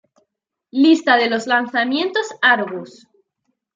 Lista de los lanzamientos Argus.